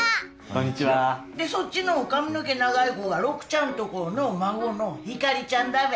んでそっちの髪の毛長い子がロクちゃんとこの孫の星ちゃんだべ。